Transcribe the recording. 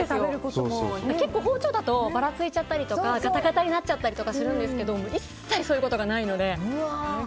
結構包丁だとばらついちゃったりがたがたになったりするんですが一切そういうことがないので。